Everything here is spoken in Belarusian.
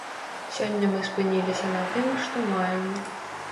Сёння мы спыніліся на тым, што маем.